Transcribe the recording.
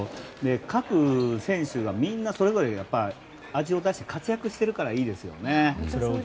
各選手がみんな、それぞれ味を出して活躍しているからいいですよね。